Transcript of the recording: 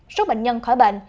số bệnh nhân khỏi bệnh